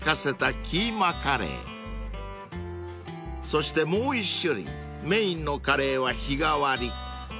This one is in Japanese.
［そしてもう１種類メインのカレーは日替わり］